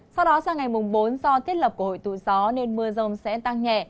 sau đó sang ngày mùng bốn do thiết lập của hội tụ gió nên mưa rông sẽ tăng nhẹ